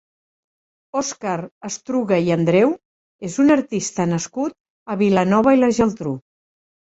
Òscar Estruga i Andreu és un artista nascut a Vilanova i la Geltrú.